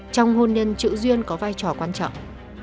trong hôn nhân chữ duyên có vai trò quan trọng